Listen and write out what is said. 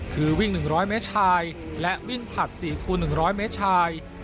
คือวิ่ง๑๐๐เมตรชายและวิ่งผลัด๔คูณ๑๐๐เมตรชาย